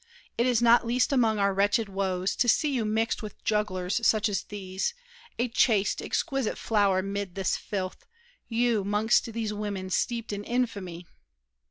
It is not least among our wretched woes To see you mixed with jugglers such as these, A chaste, exquisite flower 'mid this filth— You, 'mongst these women steeped in infamy!